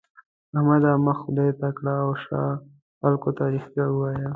احمده! مخ خدای ته کړه او شا خلګو ته؛ رښتيا ووايه.